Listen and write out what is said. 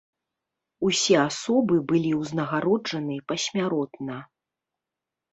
Усе асобы былі ўзнагароджаны пасмяротна.